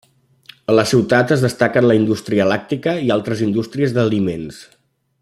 A la ciutat es destaquen la indústria làctica i altres indústries d'aliments.